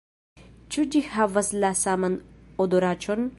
- Ĉu ĝi havas la saman odoraĉon?